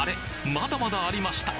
まだまだありました